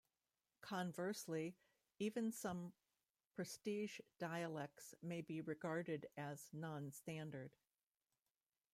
Conversely, even some prestige dialects may be regarded as nonstandard.